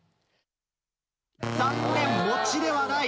残念「もち」ではない。